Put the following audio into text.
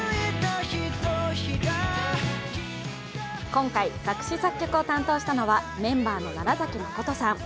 今回、作詞・作曲を担当したのはメンバーの楢崎誠さん。